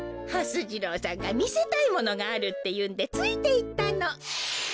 はす次郎さんがみせたいものがあるっていうんでついていったの。